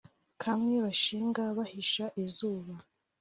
Kamwe bashinga bahisha izuba